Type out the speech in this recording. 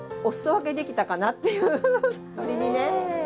お裾分けできたかなっていう鳥にね。